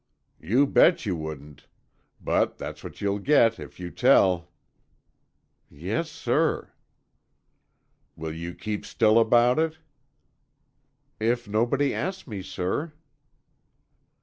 "You bet you wouldn't. But that's what you'll get if you tell." "Yes, sir." "Will you keep still about it?" "If nobody asks me, sir."